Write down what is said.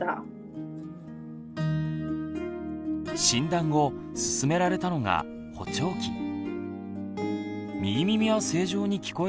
診断後勧められたのが補聴器。